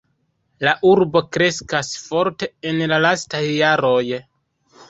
La urbo kreskas forte en la lastaj jaroj.